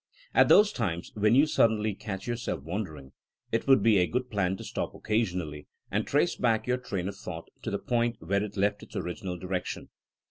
At those times when you suddenly catch your self wandering, it would be a good plan to stop occasionally and trace back your train of thought to the point where it left its original direction.